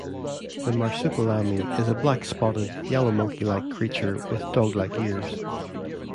The marsupilami is a black-spotted yellow monkey-like creature with dog-like ears.